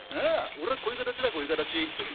俺はこういう形だこういう形。